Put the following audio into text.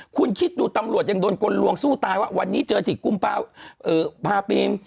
คุณคิดดูตำรวจยังโดนกลลวงสู้ตายว่าวันนี้เจอที่กุมพาปีน